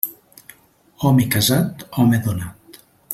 Home casat, home donat.